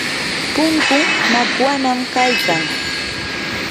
punkuu makwanam kaykan.